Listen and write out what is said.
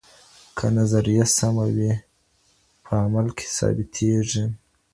که نظريه سمه وي په عمل کي ثابتيږي.